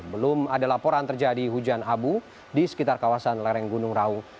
belum ada laporan terjadi hujan abu di sekitar kawasan lereng gunung raung